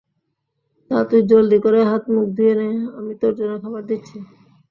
যা তুই জলদি করে হাত মুখ ধুয়ে নে, আমি তোর জন্য খাবার দিচ্ছি।